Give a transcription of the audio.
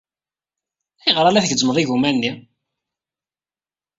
Ayɣer ay la tgezzmeḍ igumma-nni?